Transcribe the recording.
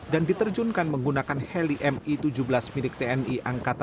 dan diterjunkan menggunakan heli mi tujuh belas milik tni